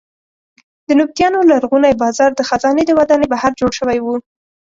د نبطیانو لرغونی بازار د خزانې د ودانۍ بهر جوړ شوی و.